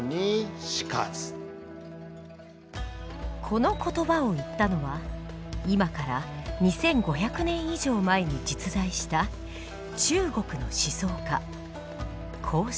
この言葉を言ったのは今から２，５００年以上前に実在した中国の思想家孔子。